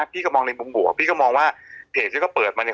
พี่ก็มองในมุมบวกพี่ก็มองว่าเพจที่เขาเปิดมาเนี่ย